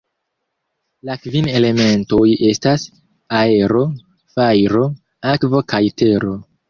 La kvin elementoj estas: Aero, Fajro, Akvo kaj Tero.